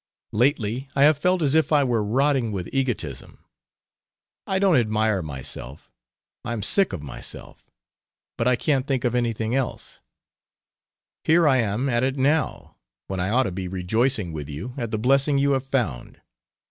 Lately I have felt as if I were rotting with egotism. I don't admire myself; I am sick of myself; but I can't think of anything else. Here I am at it now, when I ought to be rejoicing with you at the blessing you have found....